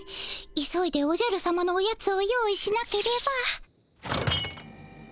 急いでおじゃるさまのおやつを用意しなければ。